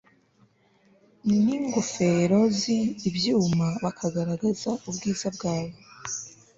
n ingofero z ibyuma bakagaragaza ubwiza bwawe